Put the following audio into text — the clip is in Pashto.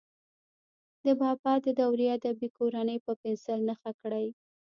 د بابا د دورې ادبي کورنۍ په پنسل نښه کړئ.